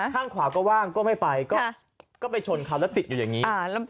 ข้างขวาก็ว่างก็ไม่ไปก็ไปชนเขาแล้วติดอยู่อย่างนี้